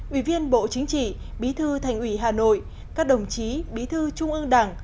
ủy viên bộ chính trị bí thư thành ủy hà nội các đồng chí bí thư trung ương đảng